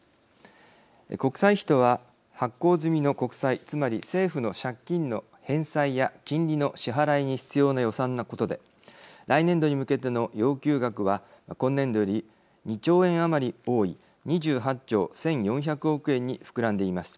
国債費とは発行済みの国債つまり政府の借金の返済や金利の支払いに必要な予算のことで来年度に向けての要求額は今年度より２兆円余り多い２８兆１，４００億円に膨らんでいます。